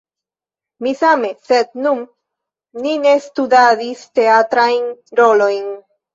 Mi same, sed nun ni ne studadis teatrajn rolojn.